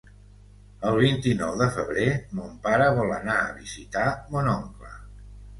El vint-i-nou de febrer mon pare vol anar a visitar mon oncle.